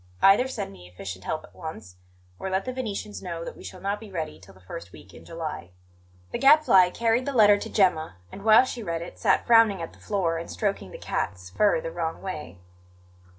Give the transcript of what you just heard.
Either send me efficient help at once, or let the Venetians know that we shall not be ready till the first week in July." The Gadfly carried the letter to Gemma and, while she read it, sat frowning at the floor and stroking the cat's fur the wrong way.